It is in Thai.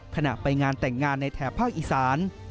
ขณะไปงานแต่งงานในแถบภาคอีสาน